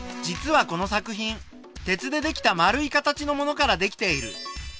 実はこの作品鉄でできた丸い形のものからできている。